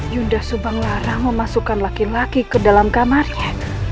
yunda subang lara memasukkan laki laki ke dalam kamarnya